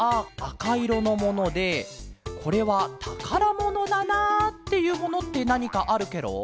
かいろのものでこれはたからものだなっていうものってなにかあるケロ？